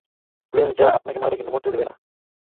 প্রেম যা আপনাকে মারবে কিন্তু মরতে দিবে না।